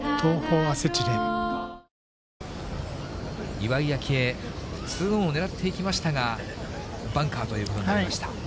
岩井明愛、２オンを狙っていきましたが、バンカーということになりました。